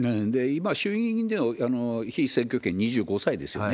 今、衆議院議員でも被選挙権２５歳ですよね。